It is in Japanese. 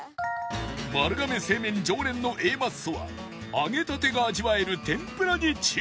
丸亀製麺常連の Ａ マッソは揚げたてが味わえる天ぷらに注目